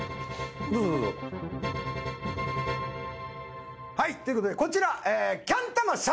どうぞどうぞ。ということでこちら。